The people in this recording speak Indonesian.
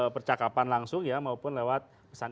percakapan langsung ya maupun lewat pesan